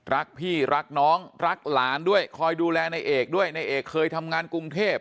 รักพี่รักน้องรักหลานด้วยคอยดูแลในเอกด้วยในเอกเคยทำงานกรุงเทพ